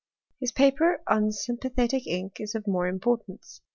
His paper on sympathetic ink is of more importance.